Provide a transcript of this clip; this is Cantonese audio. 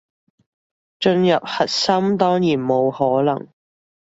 進入核心，當然冇可能